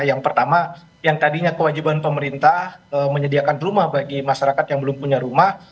yang pertama yang tadinya kewajiban pemerintah menyediakan rumah bagi masyarakat yang belum punya rumah